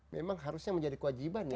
memang harusnya menjadi kewajiban ya